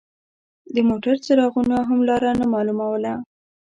د موټر څراغونو هم لار نه مالوموله.